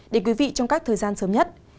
để quý vị trong các thời gian sớm nhất